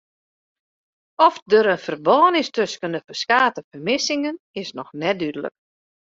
Oft der in ferbân is tusken de ferskate fermissingen is noch net dúdlik.